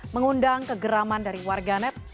mengundang kegeraman dari warganet